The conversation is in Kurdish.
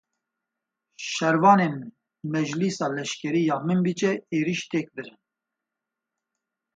Şervanên Meclisa Leşkerî a Minbicê êriş têk birin